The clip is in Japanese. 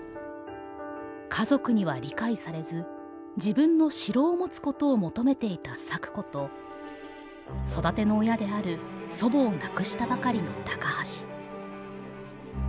家族には理解されず自分の城を持つことを求めていた咲子と育ての親である祖母を亡くしたばかりの高橋。